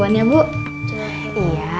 kalo ini gunanya buat apa